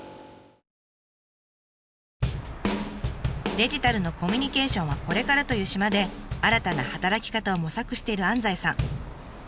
デジタルのコミュニケーションはこれからという島で新たな働き方を模索している安西さん。